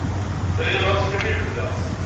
Tayri-nneɣ ad teqqim i lebda.